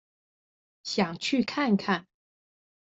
想去看看